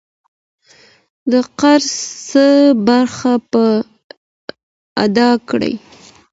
د قرض څه برخه په ادا کړي.